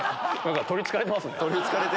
取りつかれてますね。